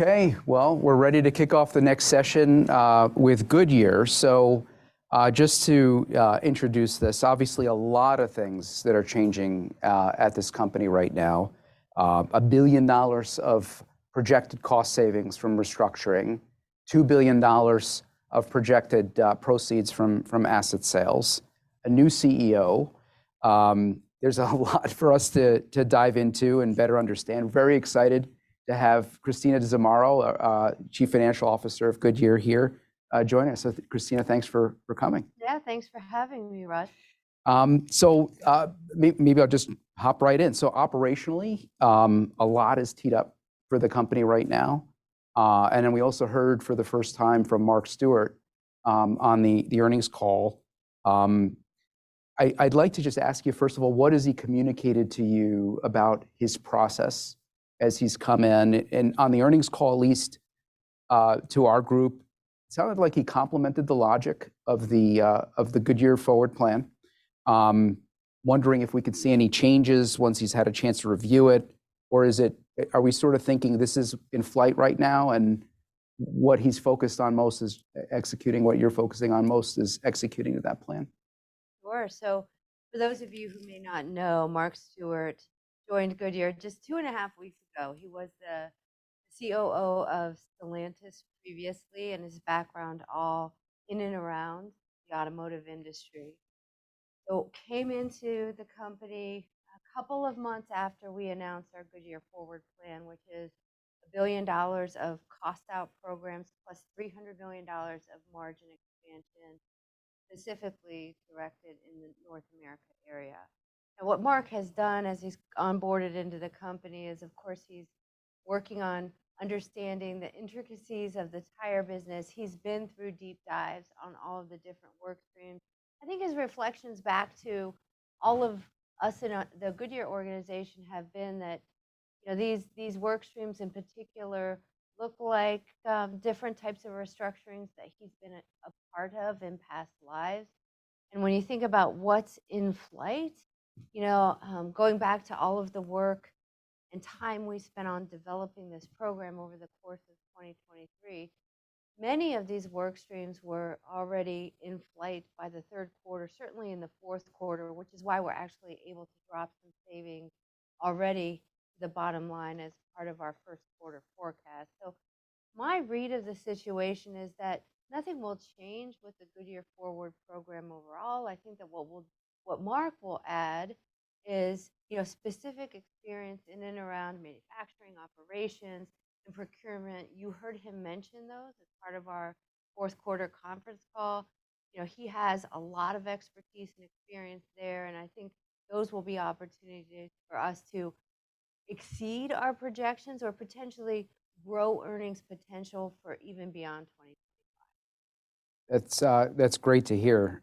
Okay, well, we're ready to kick off the next session with Goodyear. So, just to introduce this, obviously a lot of things that are changing at this company right now. $1 billion of projected cost savings from restructuring, $2 billion of projected proceeds from asset sales, a new CEO. There's a lot for us to dive into and better understand. Very excited to have Christina Zamarro, Chief Financial Officer of Goodyear here, joining us. So, Christina, thanks for coming. Yeah, thanks for having me, Rod. Maybe I'll just hop right in. Operationally, a lot is teed up for the company right now. And then we also heard for the first time from Mark Stewart on the earnings call. I'd like to just ask you, first of all, what has he communicated to you about his process as he's come in? And on the earnings call, at least to our group, it sounded like he complemented the logic of the Goodyear Forward plan, wondering if we could see any changes once he's had a chance to review it, or is it are we sort of thinking this is in flight right now and what he's focused on most is executing what you're focusing on most is executing to that plan? Sure. So, for those of you who may not know, Mark Stewart joined Goodyear just two and a half weeks ago. He was the COO of Stellantis previously, and his background all in and around the automotive industry. So, came into the company a couple of months after we announced our Goodyear Forward plan, which is $1 billion of cost out programs plus $300 million of margin expansion specifically directed in the North America area. And what Mark has done as he's onboarded into the company is, of course, he's working on understanding the intricacies of the tire business. He's been through deep dives on all of the different work streams. I think his reflections back to all of us in the Goodyear organization have been that, you know, these, these work streams in particular look like, different types of restructurings that he's been a part of in past lives. When you think about what's in flight, you know, going back to all of the work and time we spent on developing this program over the course of 2023, many of these work streams were already in flight by the third quarter, certainly in the fourth quarter, which is why we're actually able to drop some savings already to the bottom line as part of our first quarter forecast. So, my read of the situation is that nothing will change with the Goodyear Forward program overall. I think that what we'll what Mark will add is, you know, specific experience in and around manufacturing, operations, and procurement. You heard him mention those as part of our fourth quarter conference call. You know, he has a lot of expertise and experience there, and I think those will be opportunities for us to exceed our projections or potentially grow earnings potential for even beyond 2025. That's great to hear.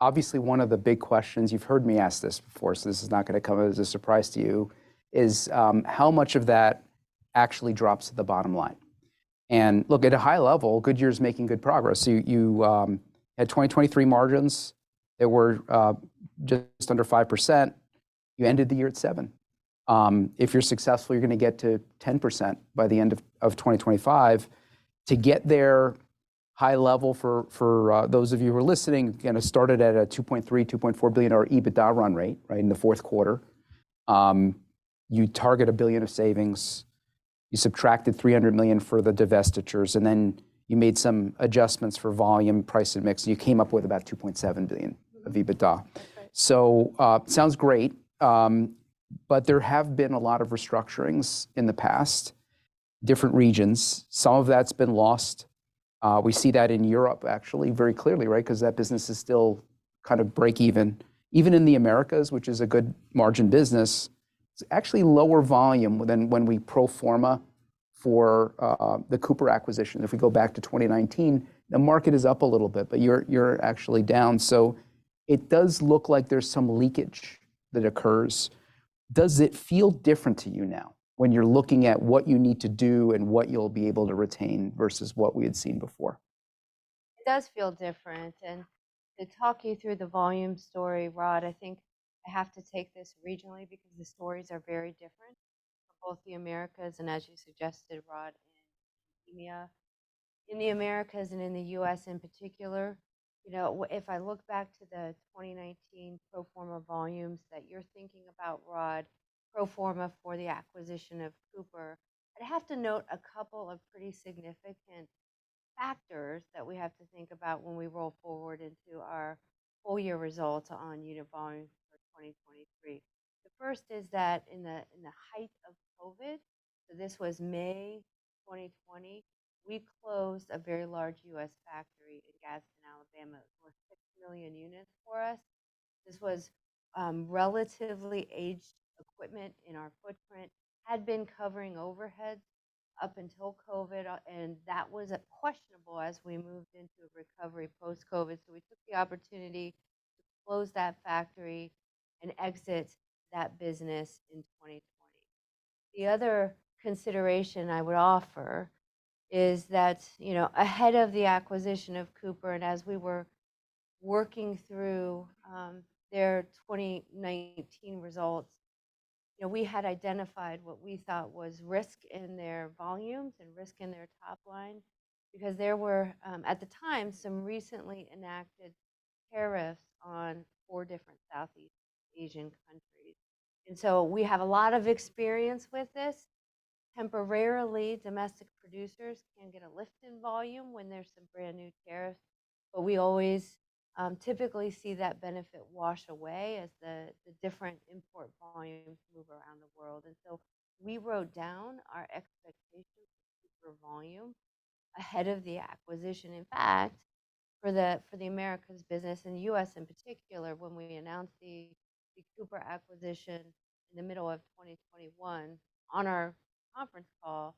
Obviously, one of the big questions you've heard me ask this before, so this is not going to come as a surprise to you, is how much of that actually drops to the bottom line? And look, at a high level, Goodyear is making good progress. So, you had 2023 margins that were just under 5%. You ended the year at 7%. If you're successful, you're going to get to 10% by the end of 2025. To get there, high level, for those of you who are listening, you kind of started at a $2.3-$2.4 billion EBITDA run rate, right, in the fourth quarter. You target $1 billion of savings. You subtracted $300 million for the divestitures, and then you made some adjustments for volume, price, and mix, and you came up with about $2.7 billion of EBITDA. So, sounds great. There have been a lot of restructurings in the past, different regions. Some of that's been lost. We see that in Europe, actually, very clearly, right, because that business is still kind of break even. Even in the Americas, which is a good margin business, it's actually lower volume than when we pro forma for the Cooper acquisition. If we go back to 2019, the market is up a little bit, but you're actually down. So, it does look like there's some leakage that occurs. Does it feel different to you now when you're looking at what you need to do and what you'll be able to retain versus what we had seen before? It does feel different. To talk you through the volume story, Rod, I think I have to take this regionally because the stories are very different for both the Americas and, as you suggested, Rod, in India, in the Americas and in the U.S. in particular. You know, if I look back to the 2019 pro forma volumes that you're thinking about, Rod, pro forma for the acquisition of Cooper, I'd have to note a couple of pretty significant factors that we have to think about when we roll forward into our full-year results on unit volume for 2023. The first is that in the height of COVID, so this was May 2020, we closed a very large U.S. factory in Gadsden, Alabama. It was six million units for us. This was relatively aged equipment in our footprint that had been covering overheads up until COVID, and that was questionable as we moved into a recovery post-COVID. So, we took the opportunity to close that factory and exit that business in 2020. The other consideration I would offer is that, you know, ahead of the acquisition of Cooper and as we were working through their 2019 results, you know, we had identified what we thought was risk in their volumes and risk in their top line because there were, at the time, some recently enacted tariffs on four different Southeast Asian countries. And so, we have a lot of experience with this. Temporarily, domestic producers can get a lift in volume when there's some brand new tariffs, but we always typically see that benefit wash away as the different import volumes move around the world. We wrote down our expectations for volume ahead of the acquisition. In fact, for the Americas business and the U.S. in particular, when we announced the Cooper acquisition in the middle of 2021 on our conference call,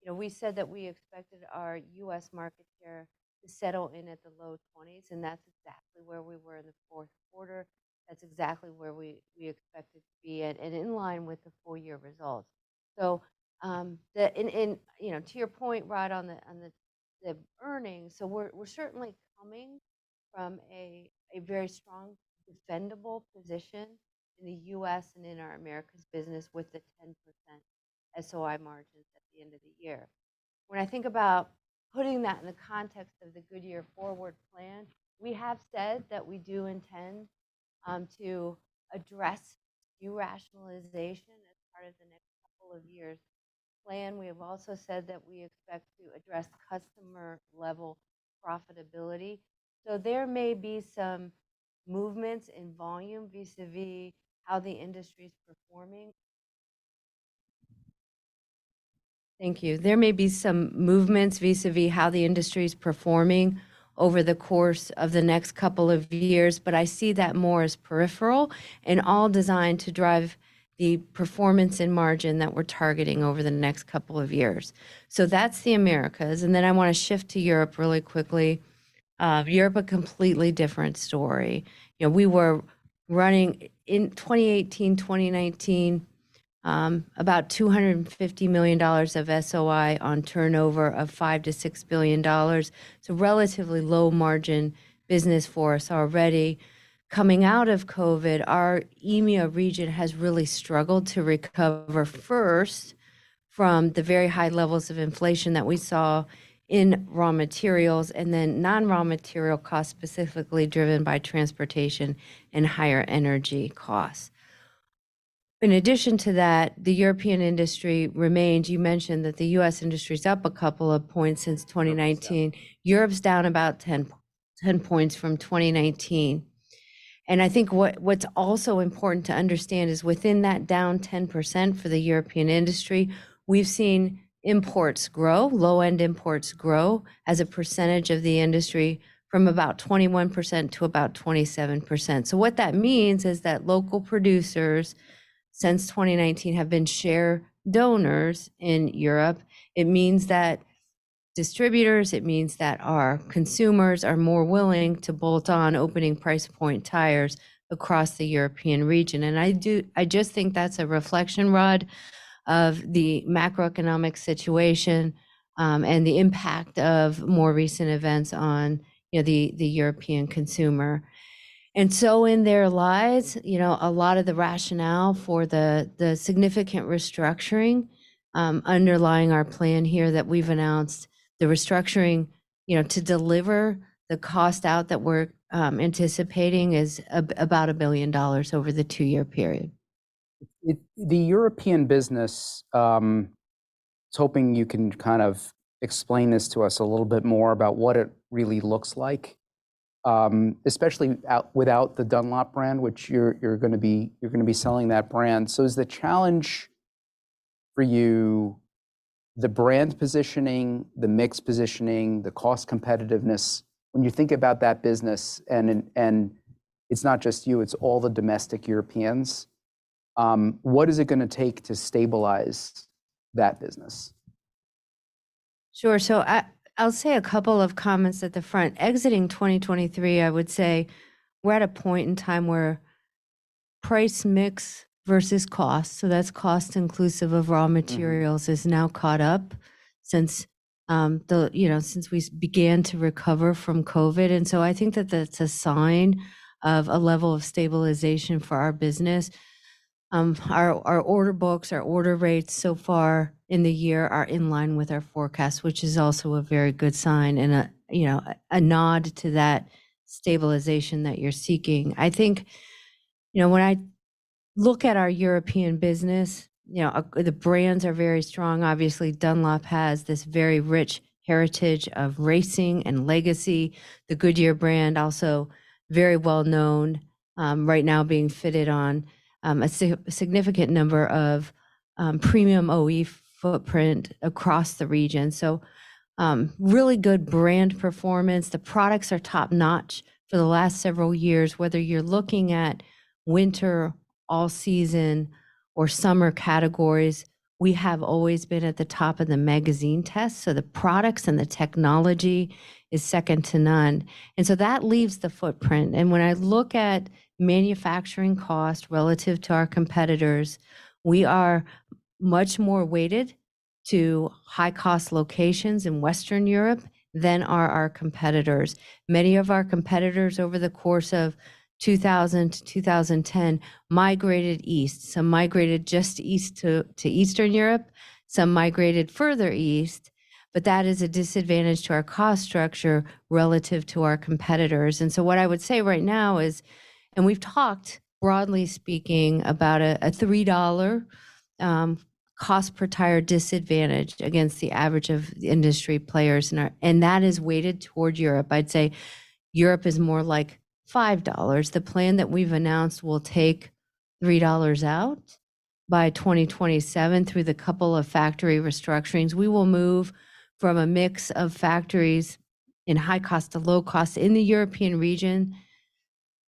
you know, we said that we expected our U.S. market share to settle in at the low 20s. And that's exactly where we were in the fourth quarter. That's exactly where we expected to be at, and in line with the full year results. So, you know, to your point, Rod, on the earnings, so we're certainly coming from a very strong defendable position in the U.S. and in our Americas business with the 10% SOI margins at the end of the year. When I think about putting that in the context of the Goodyear Forward plan, we have said that we do intend to address rationalization as part of the next couple of years plan. We have also said that we expect to address customer level profitability. So, there may be some movements in volume vis-à-vis how the industry's performing. Thank you. There may be some movements vis-à-vis how the industry's performing over the course of the next couple of years, but I see that more as peripheral and all designed to drive the performance and margin that we're targeting over the next couple of years. So, that's the Americas. And then I want to shift to Europe really quickly. Europe, a completely different story. You know, we were running in 2018, 2019, about $250 million of SOI on turnover of $5 billion-$6 billion. So, relatively low margin business for us already. Coming out of COVID, our EMEA region has really struggled to recover first from the very high levels of inflation that we saw in raw materials and then non-raw material costs specifically driven by transportation and higher energy costs. In addition to that, the European industry remains. You mentioned that the U.S. industry's up a couple of points since 2019. Europe's down about 10 points from 2019. And I think what's also important to understand is within that down 10% for the European industry, we've seen imports grow, low-end imports grow as a percentage of the industry from about 21% to about 27%. So, what that means is that local producers since 2019 have been share donors in Europe. It means that distributors, it means that our consumers are more willing to bolt on opening price point tires across the European region. And I do just think that's a reflection, Rod, of the macroeconomic situation, and the impact of more recent events on, you know, the European consumer. And so, in their lives, you know, a lot of the rationale for the significant restructuring underlying our plan here that we've announced, the restructuring, you know, to deliver the cost out that we're anticipating is about $1 billion over the two-year period. The European business, I was hoping you can kind of explain this to us a little bit more about what it really looks like, especially without the Dunlop brand, which you're going to be selling that brand. So, is the challenge for you the brand positioning, the mixed positioning, the cost competitiveness, when you think about that business, and it's not just you, it's all the domestic Europeans, what is it going to take to stabilize that business? Sure. So, I'll say a couple of comments at the front. Exiting 2023, I would say we're at a point in time where price mix versus cost, so that's cost inclusive of raw materials, is now caught up since, you know, since we began to recover from COVID. And so, I think that that's a sign of a level of stabilization for our business. Our order books, our order rates so far in the year are in line with our forecast, which is also a very good sign and a, you know, a nod to that stabilization that you're seeking. I think, you know, when I look at our European business, you know, the brands are very strong. Obviously, Dunlop has this very rich heritage of racing and legacy. The Goodyear brand, also very well known, right now being fitted on a significant number of premium OE footprint across the region. So, really good brand performance. The products are top notch for the last several years. Whether you're looking at winter, all season, or summer categories, we have always been at the top of the magazine test. So, the products and the technology is second to none. And so, that leaves the footprint. And when I look at manufacturing cost relative to our competitors, we are much more weighted to high cost locations in Western Europe than are our competitors. Many of our competitors over the course of 2000-2010 migrated east. Some migrated just east to Eastern Europe. Some migrated further east. But that is a disadvantage to our cost structure relative to our competitors. What I would say right now is, and we've talked, broadly speaking, about a $3 cost per tire disadvantage against the average of the industry players in our and that is weighted toward Europe. I'd say Europe is more like $5. The plan that we've announced will take $3 out by 2027 through the couple of factory restructurings. We will move from a mix of factories in high cost to low cost in the European region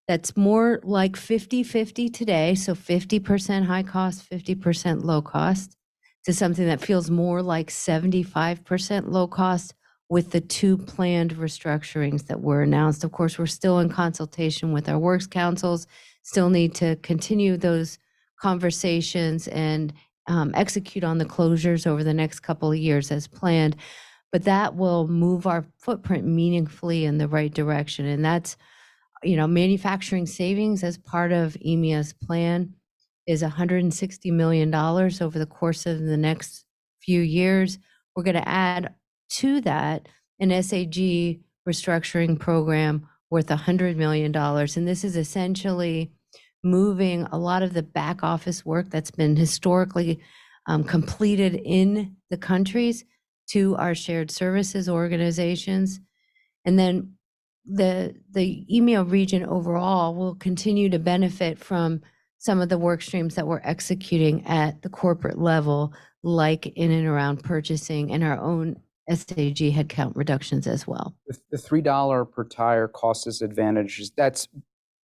that's more like 50/50 today. So, 50% high cost, 50% low cost to something that feels more like 75% low cost with the two planned restructurings that were announced. Of course, we're still in consultation with our works councils, still need to continue those conversations and execute on the closures over the next couple of years as planned. But that will move our footprint meaningfully in the right direction. And that's, you know, manufacturing savings as part of EMEA's plan is $160 million over the course of the next few years. We're going to add to that an SAG restructuring program worth $100 million. And this is essentially moving a lot of the back office work that's been historically, completed in the countries to our shared services organizations. And then the EMEA region overall will continue to benefit from some of the workstreams that we're executing at the corporate level, like in and around purchasing and our own SAG headcount reductions as well. The $3 per tire cost disadvantage, that's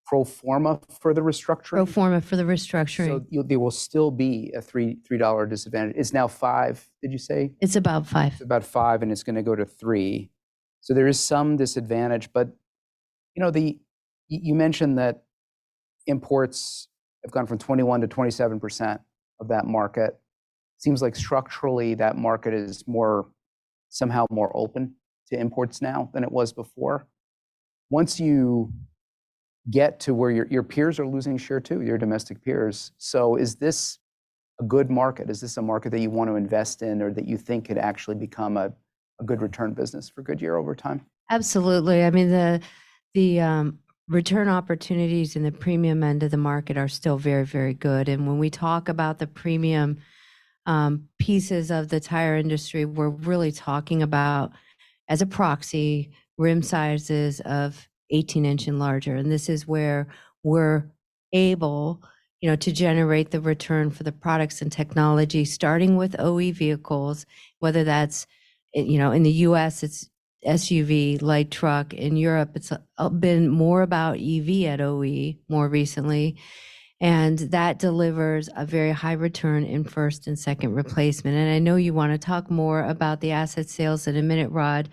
pro forma for the restructuring? Pro forma for the restructuring. So, there will still be a $3 disadvantage. It's now $5, did you say? It's about five. It's about five, and it's going to go to three. So, there is some disadvantage. But, you know, that you mentioned that imports have gone from 21%-27% of that market. Seems like structurally, that market is more somehow more open to imports now than it was before. Once you get to where your peers are losing share too, your domestic peers. So, is this a good market? Is this a market that you want to invest in or that you think could actually become a good return business for Goodyear over time? Absolutely. I mean, the return opportunities in the premium end of the market are still very, very good. And when we talk about the premium pieces of the tire industry, we're really talking about, as a proxy, rim sizes of 18 inches larger. And this is where we're able, you know, to generate the return for the products and technology, starting with OE vehicles, whether that's, you know, in the U.S., it's SUV, light truck. In Europe, it's been more about EV at OE more recently, and that delivers a very high return in first and second replacement. I know you want to talk more about the asset sales in a minute, Rod,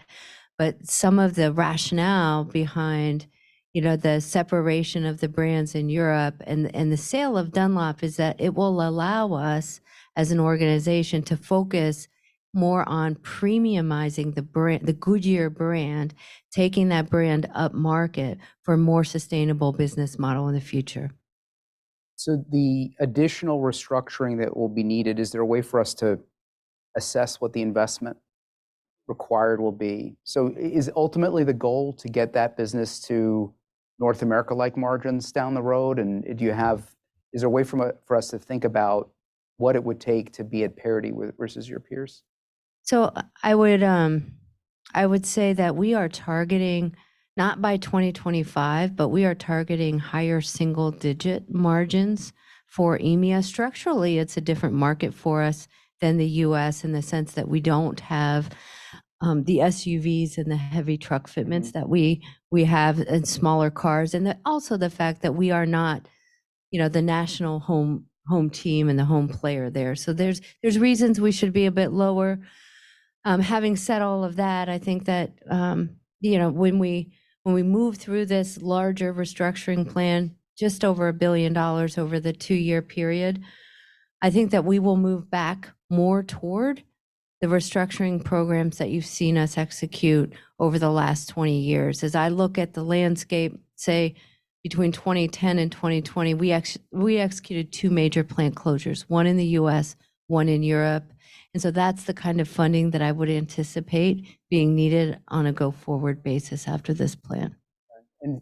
but some of the rationale behind, you know, the separation of the brands in Europe and the sale of Dunlop is that it will allow us, as an organization, to focus more on premiumizing the brand, the Goodyear brand, taking that brand up market for a more sustainable business model in the future. The additional restructuring that will be needed, is there a way for us to assess what the investment required will be? Is ultimately the goal to get that business to North America-like margins down the road? Is there a way for us to think about what it would take to be at parity versus your peers? So, I would, I would say that we are targeting not by 2025, but we are targeting higher single-digit margins for EMEA. Structurally, it's a different market for us than the U.S. in the sense that we don't have the SUVs and the heavy truck fitments that we have and smaller cars. And also the fact that we are not, you know, the national home team and the home player there. So, there's reasons we should be a bit lower. Having said all of that, I think that, you know, when we move through this larger restructuring plan, just over $1 billion over the two-year period, I think that we will move back more toward the restructuring programs that you've seen us execute over the last 20 years. As I look at the landscape, say, between 2010 and 2020, we actually executed two major plant closures, one in the U.S., one in Europe. And so, that's the kind of funding that I would anticipate being needed on a go-forward basis after this plan.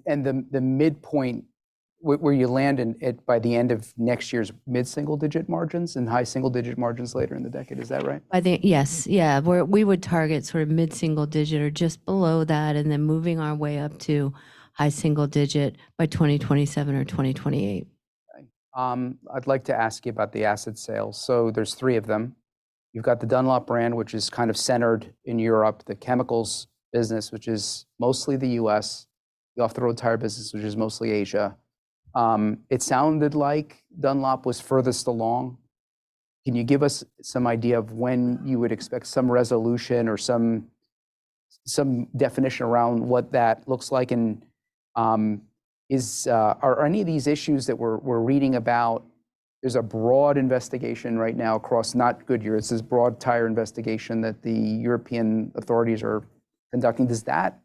And the midpoint where you land in it by the end of next year is mid-single-digit margins and high single-digit margins later in the decade, is that right? We would target sort of mid-single-digit or just below that and then moving our way up to high single-digit by 2027 or 2028. I'd like to ask you about the asset sales. So, there's three of them. You've got the Dunlop brand, which is kind of centered in Europe, the chemicals business, which is mostly the U.S., the off-the-road tire business, which is mostly Asia. It sounded like Dunlop was furthest along. Can you give us some idea of when you would expect some resolution or some definition around what that looks like? And, are any of these issues that we're reading about? There's a broad investigation right now across, not Goodyear. It's this broad tire investigation that the European authorities are conducting. Does that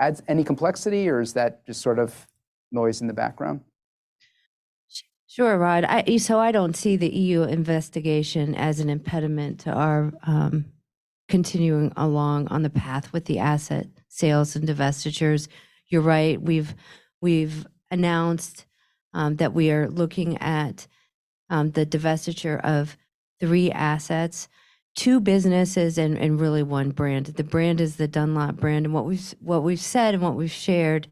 add any complexity, or is that just sort of noise in the background? Sure, Rod. So, I don't see the E.U. investigation as an impediment to our continuing along on the path with the asset sales and divestitures. You're right. We've announced that we are looking at the divestiture of three assets, two businesses, and really one brand. The brand is the Dunlop brand. And what we've said and what we've shared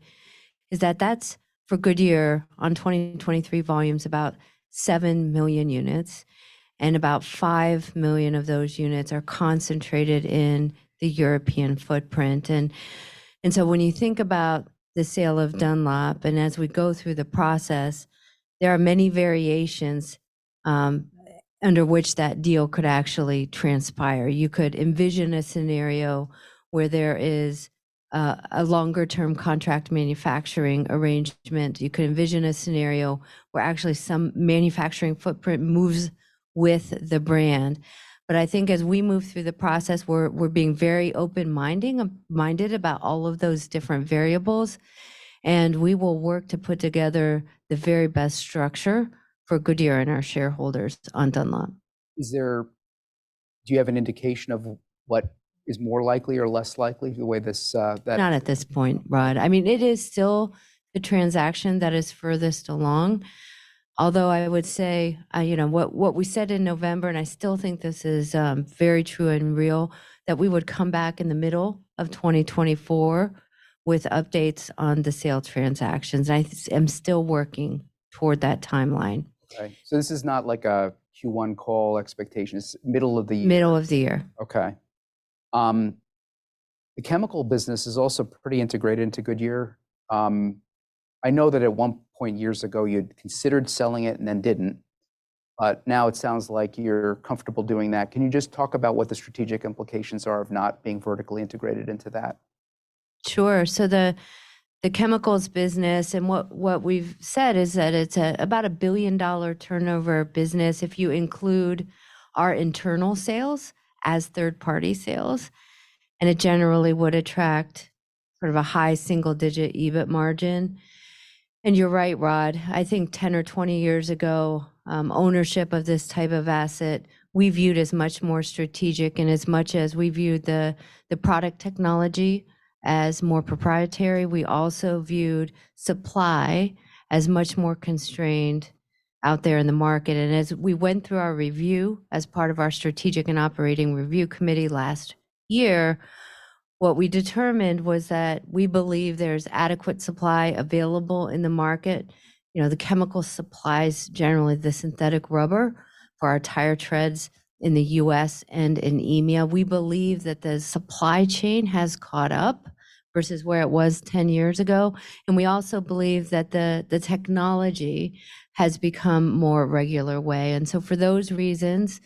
is that that's for Goodyear on 2023 volumes, about seven million units, and about five million of those units are concentrated in the European footprint. And so, when you think about the sale of Dunlop and as we go through the process, there are many variations under which that deal could actually transpire. You could envision a scenario where there is a longer-term contract manufacturing arrangement. You could envision a scenario where actually some manufacturing footprint moves with the brand. But I think as we move through the process, we're being very open-minded about all of those different variables, and we will work to put together the very best structure for Goodyear and our shareholders on Dunlop. Is there, do you have an indication of what is more likely or less likely the way this, that? Not at this point, Rod. I mean, it is still the transaction that is furthest along, although I would say, you know, what we said in November, and I still think this is very true and real, that we would come back in the middle of 2024 with updates on the sale transactions. I am still working toward that timeline. Okay. So, this is not like a Q1 call expectation. It's middle of the year. Middle of the year. Okay. The chemical business is also pretty integrated into Goodyear. I know that at one point years ago, you'd considered selling it and then didn't, but now it sounds like you're comfortable doing that. Can you just talk about what the strategic implications are of not being vertically integrated into that? Sure. So, the chemicals business and what we've said is that it's about $1 billion turnover business if you include our internal sales as third-party sales, and it generally would attract sort of a high single digit EBIT margin. And you're right, Rod. I think 10 or 20 years ago, ownership of this type of asset, we viewed as much more strategic and as much as we viewed the product technology as more proprietary. We also viewed supply as much more constrained out there in the market. And as we went through our review as part of our Strategic and Operational Review Committee last year, what we determined was that we believe there's adequate supply available in the market. You know, the chemical supplies, generally the synthetic rubber for our tire treads in the U.S. and in EMEA, we believe that the supply chain has caught up versus where it was 10 years ago. We also believe that the technology has become more regular way. So, for those reasons,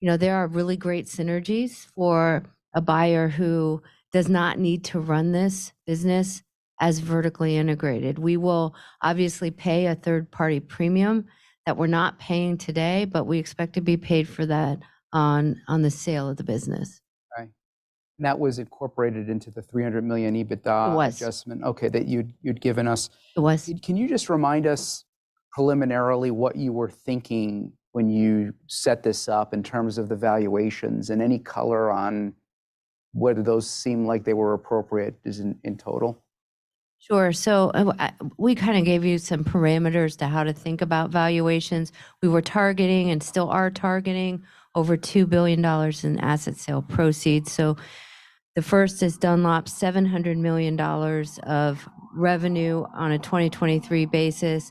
you know, there are really great synergies for a buyer who does not need to run this business as vertically integrated. We will obviously pay a third-party premium that we're not paying today, but we expect to be paid for that on the sale of the business. Right. And that was incorporated into the $300 million EBITDA adjustment. Okay. That you'd given us. It was. Can you just remind us preliminarily what you were thinking when you set this up in terms of the valuations and any color on whether those seem like they were appropriate is in total? Sure. So, we kind of gave you some parameters to how to think about valuations. We were targeting and still are targeting over $2 billion in asset sale proceeds. So, the first is Dunlop, $700 million of revenue on a 2023 basis.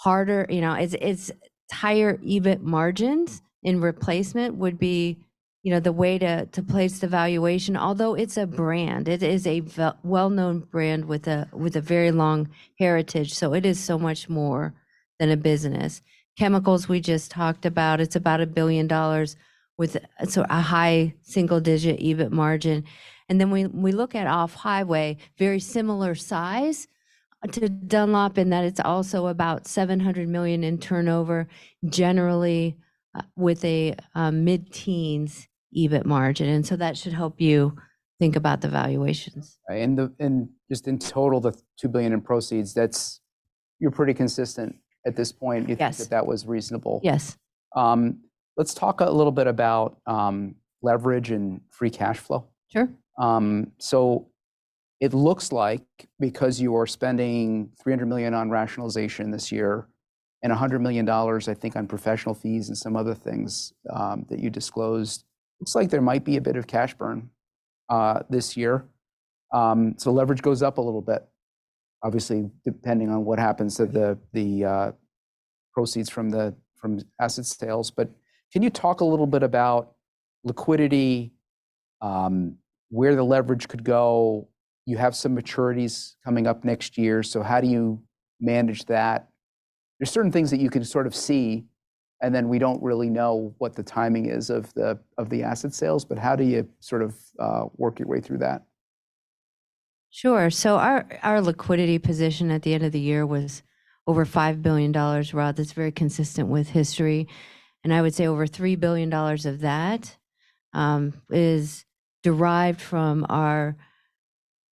Harder, you know, it's higher EBIT margins in replacement would be, you know, the way to place the valuation, although it's a brand. It is a well-known brand with a very long heritage. So, it is so much more than a business. Chemicals we just talked about, it's about $1 billion with so a high single digit EBIT margin. And then we look at Off Highway, very similar size to Dunlop in that it's also about $700 million in turnover, generally with a mid-teens EBIT margin. And so, that should help you think about the valuations. Right. And just in total, the $2 billion in proceeds, that's, you're pretty consistent at this point. You think that that was reasonable? Yes. Let's talk a little bit about leverage and free cash flow. Sure. So it looks like because you are spending $300 million on rationalization this year and $100 million, I think, on professional fees and some other things that you disclosed, it looks like there might be a bit of cash burn this year. So leverage goes up a little bit, obviously, depending on what happens to the proceeds from asset sales. But can you talk a little bit about liquidity, where the leverage could go? You have some maturities coming up next year. So how do you manage that? There are certain things that you can sort of see, and then we don't really know what the timing is of the asset sales. But how do you sort of work your way through that? Sure. So, our liquidity position at the end of the year was over $5 billion, Rod. That's very consistent with history. And I would say over $3 billion of that is derived from our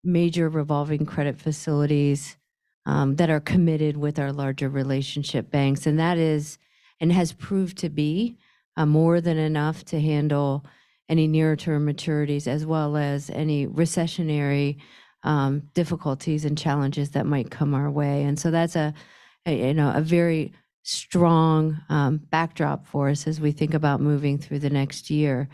major revolving credit facilities that are committed with our larger relationship banks. And that is, and has proved to be, more than enough to handle any near-term maturities as well as any recessionary difficulties and challenges that might come our way. And so, that's a, you know, very strong backdrop for us as we think about moving through the next year.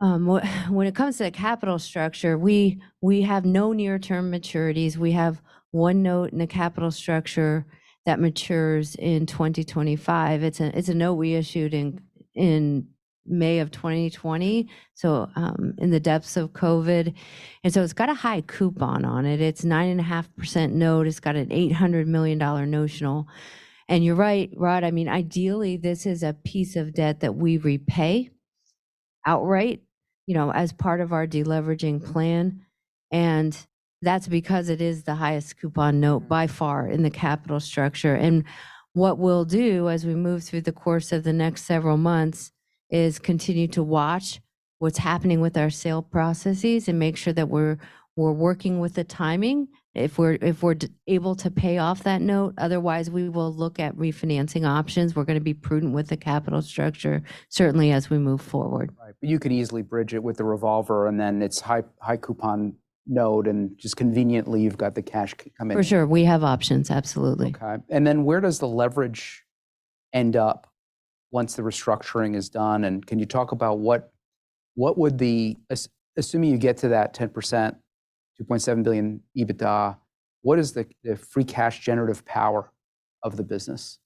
When it comes to the capital structure, we have no near-term maturities. We have one note in the capital structure that matures in 2025. It's a note we issued in May of 2020. So, in the depths of COVID. And so, it's got a high coupon on it. It's a 9.5% note. It's got an $800 million notional. And you're right, Rod. I mean, ideally, this is a piece of debt that we repay outright, you know, as part of our deleveraging plan. And that's because it is the highest coupon note by far in the capital structure. And what we'll do as we move through the course of the next several months is continue to watch what's happening with our sale processes and make sure that we're working with the timing if we're able to pay off that note. Otherwise, we will look at refinancing options. We're going to be prudent with the capital structure, certainly as we move forward. Right. But you could easily bridge it with the revolver and then it's high high coupon note and just conveniently you've got the cash come in. For sure. We have options. Absolutely. Okay. And then where does the leverage end up once the restructuring is done? And can you talk about what would the assuming you get to that 10%, $2.7 billion EBITDA, what is the free cash generative power of the business?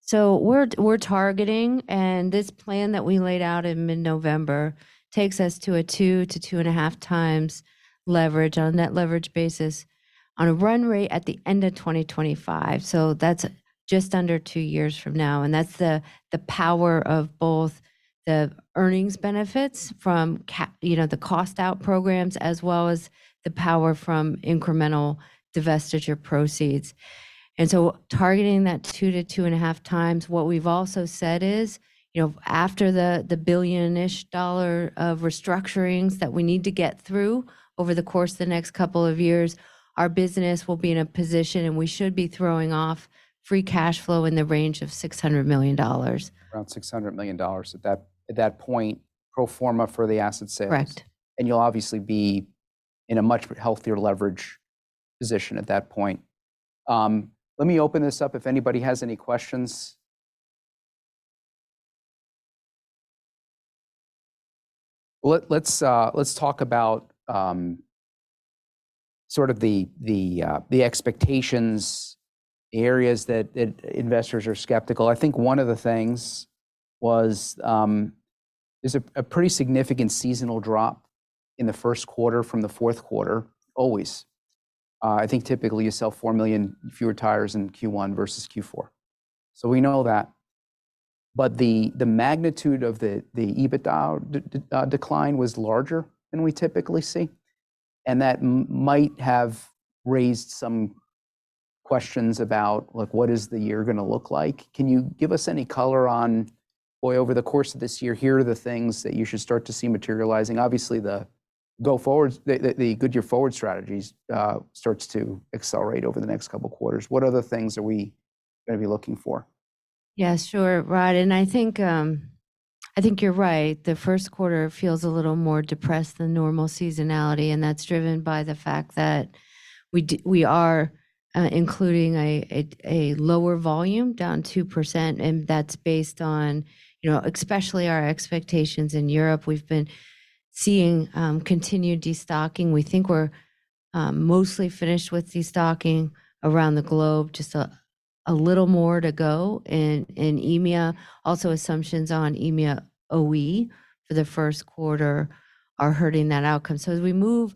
So, we're targeting and this plan that we laid out in mid-November takes us to a 2x-2.5x leverage on a net leverage basis on a run rate at the end of 2025. So, that's just under 2 years from now. And that's the power of both the earnings benefits from, you know, the cost out programs as well as the power from incremental divestiture proceeds. And so, targeting that 2x-2.5x, what we've also said is, you know, after the billion-ish dollar of restructurings that we need to get through over the course of the next couple of years, our business will be in a position and we should be throwing off free cash flow in the range of $600 million. Around $600 million at that point, pro forma for the asset sales. Correct. And you'll obviously be in a much healthier leverage position at that point. Let me open this up. If anybody has any questions. Well, let's talk about, sort of the expectations, the areas that investors are skeptical. I think one of the things was, there's a pretty significant seasonal drop in the first quarter from the fourth quarter. Always. I think typically you sell four million fewer tires in Q1 versus Q4. So, we know that. But the magnitude of the EBITDA decline was larger than we typically see. And that might have raised some questions about, like, what is the year going to look like? Can you give us any color on, boy, over the course of this year, here are the things that you should start to see materializing. Obviously, the go forward, the Goodyear Forward strategies, starts to accelerate over the next couple of quarters. What other things are we going to be looking for? Yeah, sure, Rod. And I think you're right. The first quarter feels a little more depressed than normal seasonality. And that's driven by the fact that we are including a lower volume down 2%. And that's based on, you know, especially our expectations in Europe. We've been seeing continued destocking. We think we're mostly finished with destocking around the globe. Just a little more to go in EMEA. Also, assumptions on EMEA OE for the first quarter are hurting that outcome. So, as we move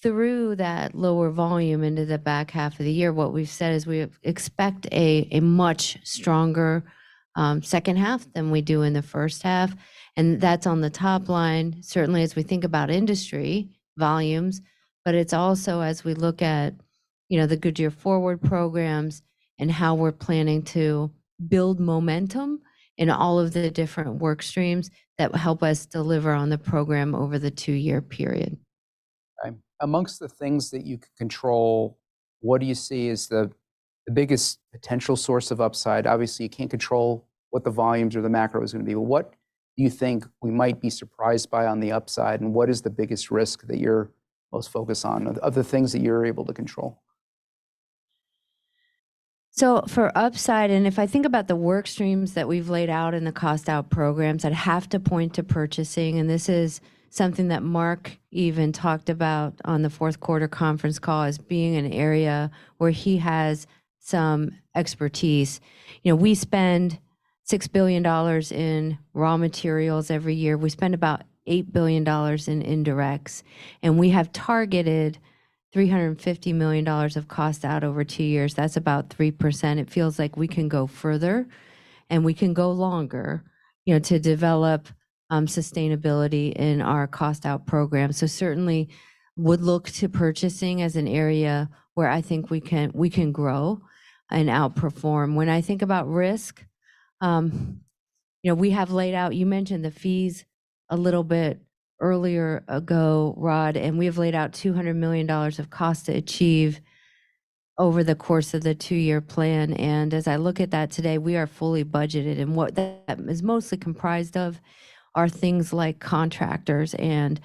through that lower volume into the back half of the year, what we've said is we expect a much stronger second half than we do in the first half. And that's on the top line, certainly, as we think about industry volumes. But it's also as we look at, you know, the Goodyear Forward programs and how we're planning to build momentum in all of the different work streams that will help us deliver on the program over the two-year period. Right. Among the things that you can control, what do you see as the biggest potential source of upside? Obviously, you can't control what the volumes or the macro is going to be. But what do you think we might be surprised by on the upside? What is the biggest risk that you're most focused on of the things that you're able to control? So, for upside, and if I think about the work streams that we've laid out in the cost out programs that have to point to purchasing, and this is something that Mark even talked about on the fourth quarter conference call as being an area where he has some expertise. You know, we spend $6 billion in raw materials every year. We spend about $8 billion in indirects. And we have targeted $350 million of cost out over two years. That's about 3%. It feels like we can go further and we can go longer, you know, to develop sustainability in our cost out program. So, certainly would look to purchasing as an area where I think we can we can grow and outperform. When I think about risk, you know, we have laid out you mentioned the fees a little bit earlier ago, Rod, and we have laid out $200 million of cost to achieve over the course of the two-year plan. As I look at that today, we are fully budgeted. What that is mostly comprised of are things like contractors and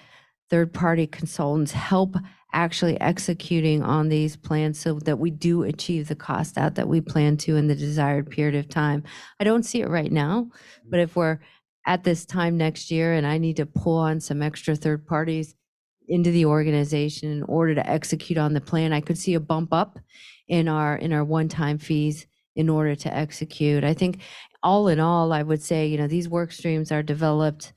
third-party consultants help actually executing on these plans so that we do achieve the cost out that we plan to in the desired period of time. I don't see it right now, but if we're at this time next year and I need to pull on some extra third parties into the organization in order to execute on the plan, I could see a bump up in our one-time fees in order to execute. I think all in all, I would say, you know, these work streams are developed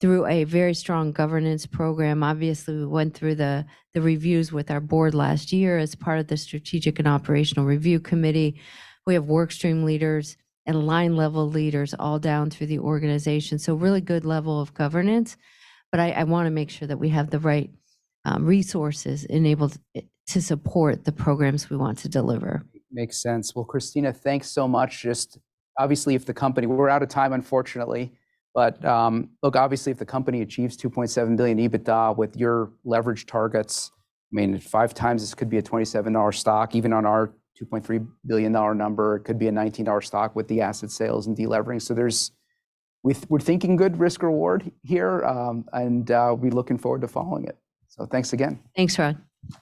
through a very strong governance program. Obviously, we went through the reviews with our board last year as part of the Strategic and Operational Review Committee. We have work stream leaders and line level leaders all down through the organization. So, really good level of governance. But I want to make sure that we have the right resources enabled to support the programs we want to deliver. Makes sense. Well, Christina, thanks so much. Just obviously, if the company, we're out of time, unfortunately. But, look, obviously, if the company achieves $2.7 billion EBITDA with your leverage targets, I mean, five times this could be a $27 stock. Even on our $2.3 billion number, it could be a $19 stock with the asset sales and deleveraging. So, there's we're thinking good risk reward here, and, we're looking forward to following it. So, thanks again. Thanks, Rod.